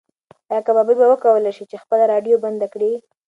ایا کبابي به وکولی شي چې خپله راډیو بنده کړي؟